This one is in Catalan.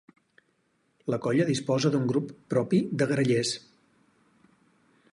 La Colla disposa d'un grup propi de grallers.